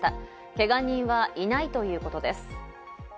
けが人はいないということです。